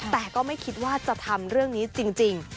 แต่ก็ไม่คิดว่าจะทำเรื่องนี้จริง